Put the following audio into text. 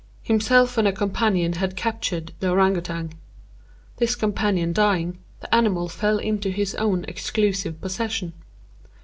Himself and a companion had captured the Ourang Outang. This companion dying, the animal fell into his own exclusive possession.